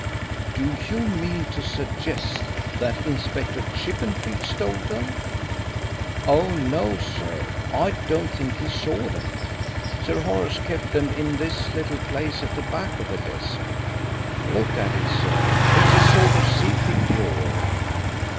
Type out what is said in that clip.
"Do you mean to suggest that Inspector Chippenfield stole them?" "Oh, no, sir, I don't think he saw them. Sir Horace kept them in this little place at the back of the desk. Look at it, sir. It's a sort of secret drawer."